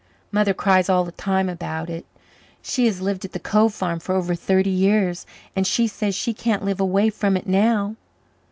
Mother cries all the time about it. She has lived at the Cove farm for over thirty years and she says she can't live away from it now.